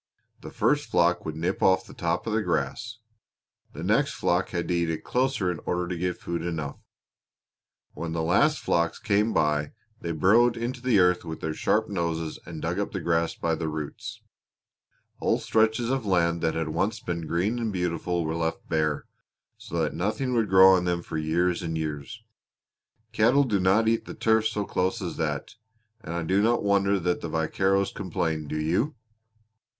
The first flock would nip off the top of the grass; the next flock had to eat it closer in order to get food enough; and when the last flocks came they burrowed into the earth with their sharp noses and dug the grass up by the roots. Whole stretches of land that had once been green and beautiful were left bare so that nothing would grow on them for years and years. Cattle do not eat the turf so close as that, and I do not wonder that the vaqueros complained, do you?"